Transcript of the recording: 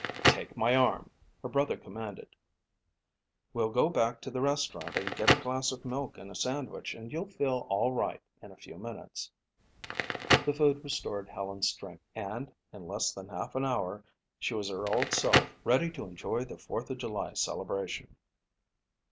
"Take my arm," her brother commanded. "We'll go back to the restaurant and get a glass of milk and a sandwich and you'll feel all right in a few minutes." The food restored Helen's strength and in less than half an hour she was her old self, ready to enjoy the Fourth of July celebration.